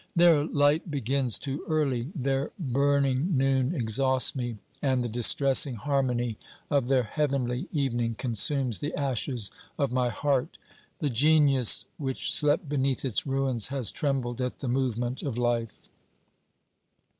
Their light begins too early, their burning noon exhausts me, and the distressing harmony of their heavenly evening consumes the ashes of my heart ; the genius which slept beneath its ruins has trembled at the movement of life.